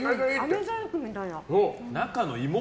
あめ細工みたいな。